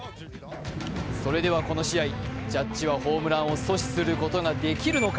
それではこの試合、ジャッジはホームランを阻止することはできるのか。